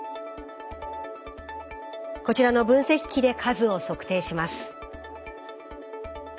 こちらの分析機で数を測定します。